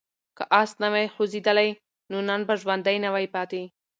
که آس نه وای خوځېدلی نو نن به ژوندی نه وای پاتې.